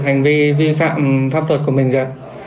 hành vi vi phạm pháp luật của mình rồi